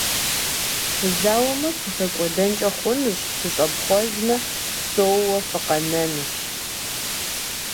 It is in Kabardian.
Фызауэмэ, фыхэкӏуэдэнкӏэ хъунущ, фыщӏэпхъуэжмэ, псэууэ фыкъэнэнущ.